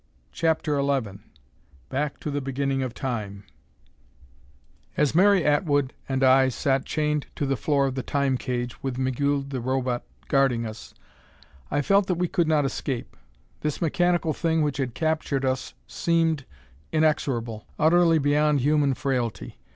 CHAPTER XI Back to the Beginning of Time As Mary Atwood and I sat chained to the floor of the Time cage, with Migul the Robot guarding us, I felt that we could not escape. This mechanical thing which had captured us seemed inexorable, utterly beyond human frailty.